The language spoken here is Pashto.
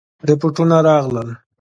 رپوټونه راغلل.